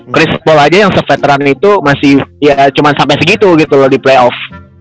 chris paul aja yang se veteran itu masih ya cuman sampe segitu gitu loh di playoff